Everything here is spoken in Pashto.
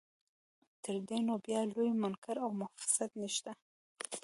تر دې نو بیا لوی منکر او مفسد نشته.